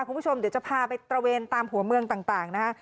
คุณผู้ชมเดี๋ยวจะพาไปตระเวนตามหัวเมืองต่างนะฮะ